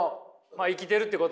生きてるってことはね。